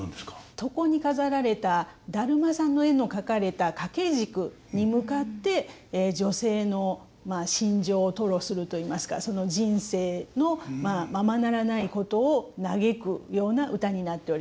床に飾られた達磨さんの絵の描かれた掛け軸に向かって女性の真情を吐露するといいますかその人生のままならないことを嘆くような唄になっております。